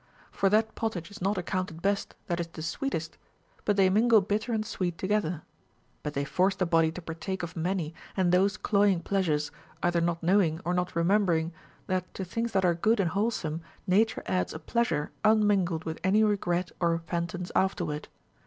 For that pottage is not accounted best that is the sweetest, but they mingle bitter and sweet together. But they force tlie body to par take of many, and those cloying pleasures, either not know ing, or not remembering, that to things that are good and wholesome nature adds a pleasure unmingled with any regret or repentance afterward.